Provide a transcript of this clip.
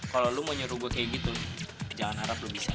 kalau lo mau nyeruh gue kayak gitu jangan harap lo bisa